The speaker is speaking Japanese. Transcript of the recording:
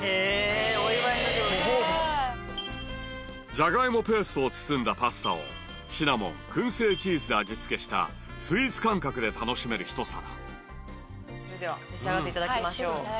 ジャガイモペーストを包んだパスタをシナモン燻製チーズで味付けしたスイーツ感覚で楽しめる一皿それでは召し上がっていただきましょう。